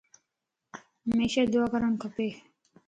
ھميشا دعا ڪرڻ کپ